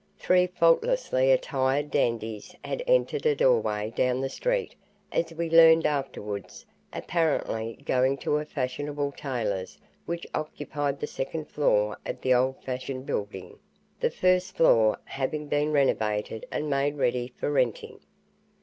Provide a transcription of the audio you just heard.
Three faultlessly attired dandies had entered a doorway down the street, as we learned afterwards, apparently going to a fashionable tailor's which occupied the second floor of the old fashioned building, the first floor having been renovated and made ready for renting.